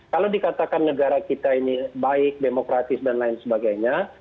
kalau dikatakan negara kita ini baik demokratis dan lain sebagainya